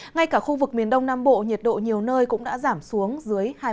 ngay cả khu vực miền đông nam bộ nhiệt độ nhiều nơi cũng đã giảm xuống